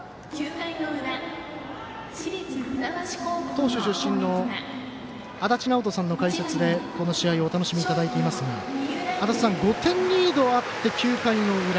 投手出身の足達尚人さんの解説で、この試合お楽しみいただいていますが５点リードあって９回の裏。